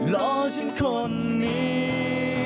รอฉันคนนี้